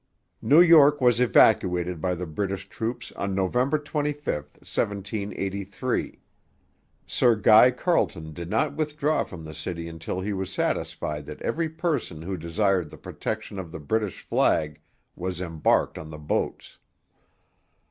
New York was evacuated by the British troops on November 25, 1783. Sir Guy Carleton did not withdraw from the city until he was satisfied that every person who desired the protection of the British flag was embarked on the boats.